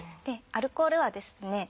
アルコールはですね